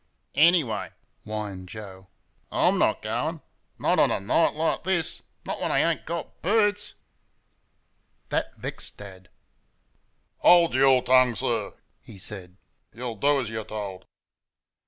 "Anyway" whined Joe "I'M not going not a night like this not when I ain't got boots." That vexed Dad. "Hold your tongue, sir!" he said "you'll do as you're told."